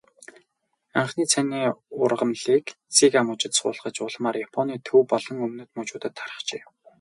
Анхны цайны ургамлыг Сига мужид суулгаж, улмаар Японы төв болон өмнөд мужуудад тархжээ.